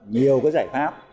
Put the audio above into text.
nhiều cái giải pháp